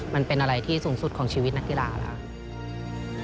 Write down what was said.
มันเป็นอะไรที่สูงสุดของชีวิตนักกีฬาแล้ว